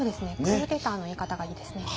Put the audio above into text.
クーデターの言い方がいいですね。